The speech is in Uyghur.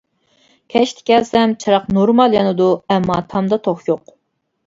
كەچتە كەلسەم چىراغ نورمال يانىدۇ ئەمما تامدا توك يوق.